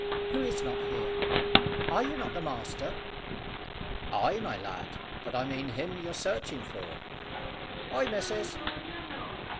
"Who is not here? Are not you the master?" "Ay, my lad, but I mean him you're searching for. Hi! Missus!"